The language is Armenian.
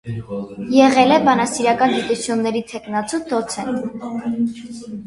Եղել է բանասիրական գիտությունների թեկնածու, դոցենտ։